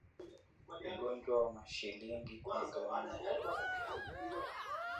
Ugonjwa wa Mashilingi kwa ngamia